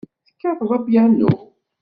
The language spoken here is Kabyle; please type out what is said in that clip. Tekkateḍ apyanu?